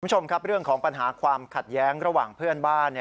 คุณผู้ชมครับเรื่องของปัญหาความขัดแย้งระหว่างเพื่อนบ้าน